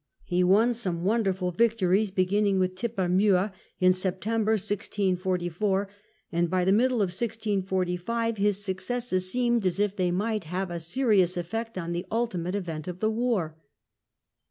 He won some wonderful victories, beginning with Tippermuir in September, 1644, and by the middle of 1645 his successes seemed as if they might have a serious effect on the ultimate event of the war.